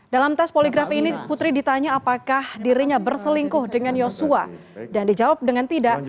dalam tes poligrafi ini putri ditanya apakah dirinya berselingkuh dengan yosua dan dijawab dengan tidak